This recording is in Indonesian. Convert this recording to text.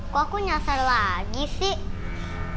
kok aku nyasar lagi sih